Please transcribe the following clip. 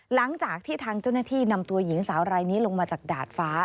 หลังจากที่ทางเจ้าหน้าที่นำตัวหญิงสาวรายนี้ลงมาจากดาดฟ้า